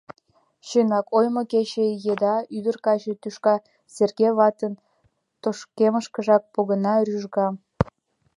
Чынак, ойымо кече еда ӱдыр-каче тӱшка Серге ватын тошкемышкак погына, рӱжга.